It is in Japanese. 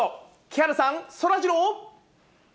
木原さん、そらジロー。